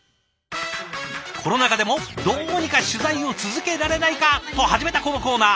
コロナ禍でもどうにか取材を続けられないかと始めたこのコーナー。